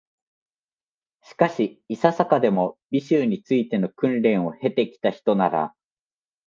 しかし、いささかでも、美醜に就いての訓練を経て来たひとなら、